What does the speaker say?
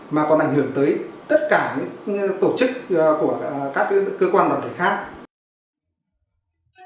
mà còn ảnh hưởng tới tất cả những tổ chức của các cơ quan đoàn thể khác